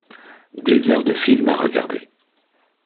Des heures de films à regarder.